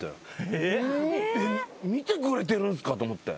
見てくれてるんすか！？と思って。